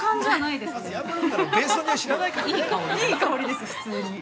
◆いい香りです、普通に。